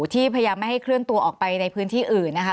ที่พยายามไม่ให้เคลื่อนตัวออกไปในพื้นที่อื่นนะคะ